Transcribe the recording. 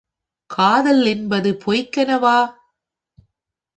காதல் என்பது பொய்க்கனவா?